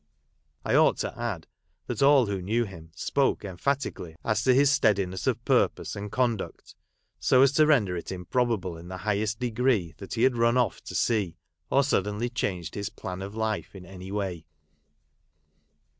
I ought to add, that all who knew him, spoke emphatically as to his steadiness of purpose, and conduct, so as to render it improbable in the highest degree that he had run off" to sea, or suddenly changed his plan of life in any way.